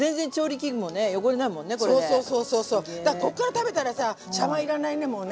こっから食べたらさ茶わん要らないねもうね。